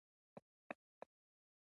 تاسو هم بریالی کیدلی شئ.